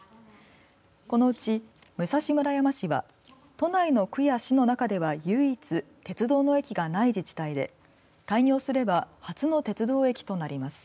このうち武蔵村山市は都内の区や市の中では唯一鉄道の駅がない自治体で開業すれば初の鉄道駅となります。